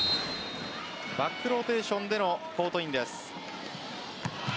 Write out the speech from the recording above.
バックローテーションでのコートインです。